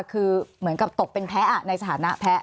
คือเหมือนกับตกเป็นแพ้ในสถานะแพ้